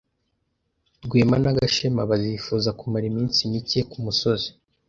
Rwema na Gashema bifuzaga kumara iminsi mike kumusozi.